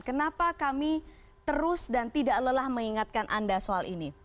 kenapa kami terus dan tidak lelah mengingatkan anda soal ini